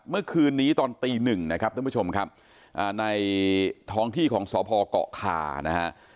เมื่อคืนนี้ตอนตีหนึ่งนะครับท่านผู้ชมครับในท้องที่ของสพเกาะคานะฮะ